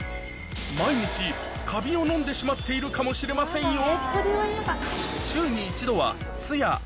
毎日カビを飲んでしまっているかもしれませんよ！